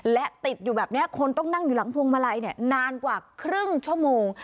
และติดอยู่แบบนี้คนต้องนั่งอยู่หลังพวงมาลัยนานกว่าครึ่งชั่วโมง